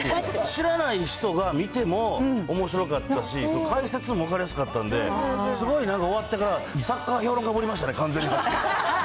知らない人が見てもおもしろかったし、解説も分かりやすかったんで、すごいなんか終わってから、サッカー評論家ぶりましたね、完全に。